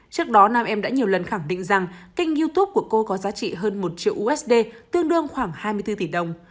trước đó nam em đã nhiều lần khẳng định rằng kênh youtube của cô có giá trị hơn một triệu usd tương đương khoảng hai mươi bốn tỷ đồng